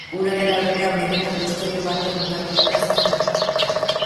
Hura, era berean, benetako istorio batean oinarritua zegoen.